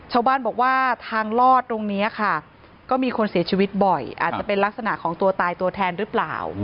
ชาวบ้านบอกว่าทางลอดตรงนี้ค่ะก็มีคนเสียชีวิตบ่อยอาจจะเป็นลักษณะของตัวตายตัวแทนหรือเปล่า